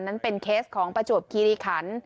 นั้นเป็นเคสของประจวบคีรีขัน